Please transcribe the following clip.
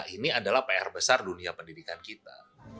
ini adalah pr besar dunia pendidikan kita